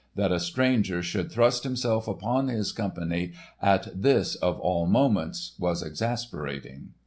That a stranger should thrust himself upon his company at this of all moments was exasperating.